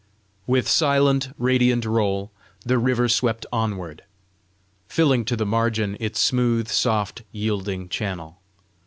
With silent, radiant roll, the river swept onward, filling to the margin its smooth, soft, yielding channel.